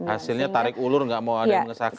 hasilnya tarik ulur gak mau ada yang mengesahkan salah satu